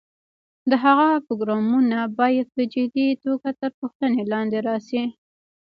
د هغه پروګرامونه باید په جدي توګه تر پوښتنې لاندې راشي.